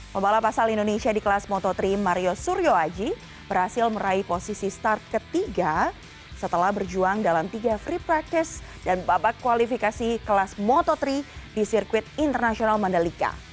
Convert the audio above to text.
pembalap asal indonesia di kelas moto tiga mario suryo aji berhasil meraih posisi start ketiga setelah berjuang dalam tiga free practice dan babak kualifikasi kelas moto tiga di sirkuit internasional mandalika